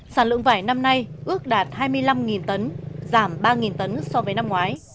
sản lượng vải năm nay ước đạt hai mươi năm tấn giảm ba tấn